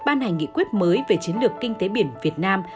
ban hành nghị quyết mới về chiến lược kinh tế biển việt nam